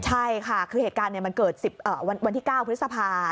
ใช่ค่ะคือเหตุการณ์มันเกิดวันที่๙พฤษภา